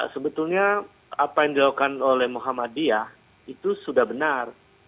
sebetulnya apa yang dilakukan oleh muhammadiyah itu sudah benar